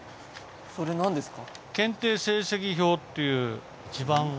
それ何ですか？